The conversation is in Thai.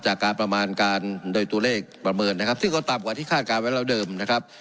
จากการประมาณการโดยตัวเลขประเมินนะครับซึ่งก็ต่ำกว่าที่คาดการณ์ไว้แล้วเดิมนะครับ